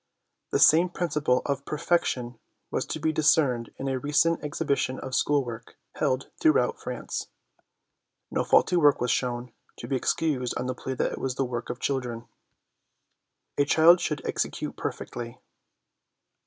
The same principle of ' perfection ' was to be discerned in a recent exhibition of school 160 HOME EDUCATION work held throughout France. No faulty work was shown, to be excused on the plea that it was the work of children. A Child should Execute Perfectly.